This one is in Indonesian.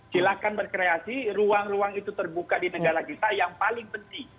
silahkan berkreasi ruang ruang itu terbuka di negara kita yang paling penting